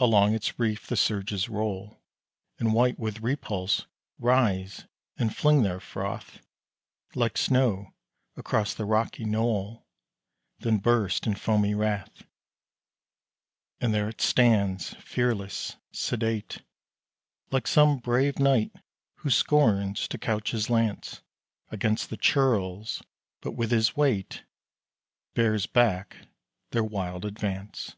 Along its reef the surges roll, And white with repulse rise and fling their froth Like snow across the rocky knoll, Then burst in foamy wrath. And there it stands, fearless, sedate, Like some brave knight who scorns to couch his lance Against the churls, but with his weight Bears back their wild advance.